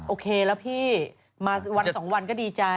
โอเคแล้วพี่มาวัน๒วันก็ดีใจ